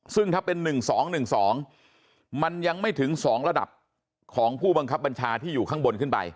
ซึ่งถ้าเป็น๑๒๑๒มันยังไม่ถึง๒ระดับของผู้บังคับบัญชาที่อยู่ข้างบนขึ้นไป